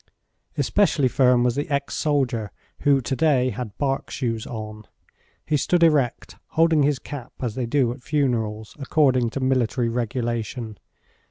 Especially firm was the ex soldier, who to day had bark shoes on. He stood erect, holding his cap as they do at funerals, according to military regulation.